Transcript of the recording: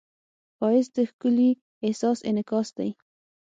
ښایست د ښکلي احساس انعکاس دی